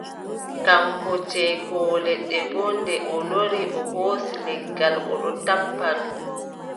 Kaŋko ceekoowo leɗɗe boo, nde o lori, o hoosi leggal o ɗon tappa ndu.